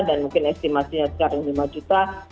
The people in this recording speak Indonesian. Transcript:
dan mungkin estimasinya sekarang lima juta